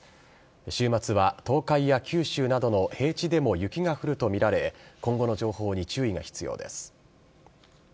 週末は東海や九州などの平地でも雪が降ると見られ、今後の情報に注意が必要です。